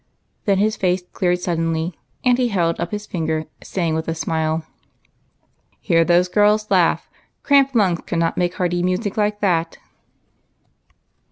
Then his face cleared suddenly, and he held up his finger, saying, with a smile, " Hear those girls laugh ; cramped lungs could not make hearty music like that."